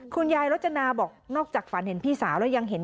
รจนาบอกนอกจากฝันเห็นพี่สาวแล้วยังเห็น